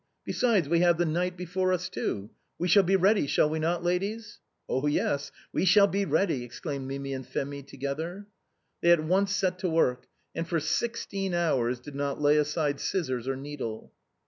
Besides, we have the night before us, too. We shall be ready, shall we not, ladies ?"" Oh, yes ! we shall be ready," exclaimed Mimi and Phémie together. They at once set to work, and for sixteen hours did not lay aside scissors or needle.